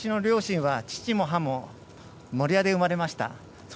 私の両親は父も母も守谷で生まれました。